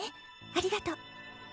ありがと。